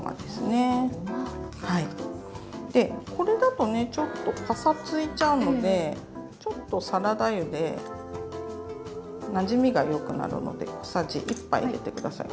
でこれだとねちょっとパサついちゃうのでちょっとサラダ油でなじみがよくなるので小さじ１杯入れて下さい。